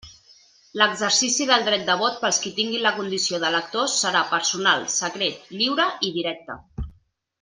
L'exercici del dret de vot pels qui tinguin la condició d'electors serà personal, secret, lliure i directe.